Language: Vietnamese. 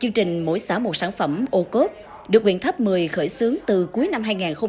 chương trình mỗi xã một sản phẩm ô cốt được huyện tháp mười khởi xướng từ cuối năm hai nghìn một mươi tám